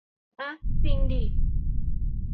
อ่ะจิงดิ